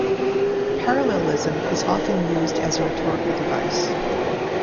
Parallelism is often used as a rhetorical device.